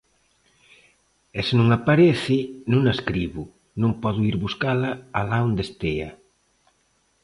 E se non aparece, non a escribo, non podo ir buscala alá onde estea.